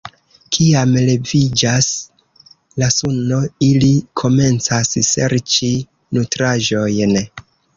Kiam leviĝas la suno, ili komencas serĉi nutraĵojn.